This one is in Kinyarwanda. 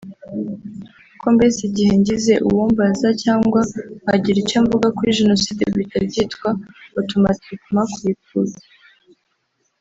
Ko mbese igihe ngize uwo mbaza cyangwa nkagira icyo mvuga kuri jenoside bihita byitwa (automatiquement)kuyipfobya